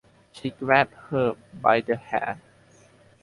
She grabbed her by the hair.